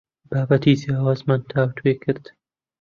بابەتی جیاوازمان تاوتوێ کرد.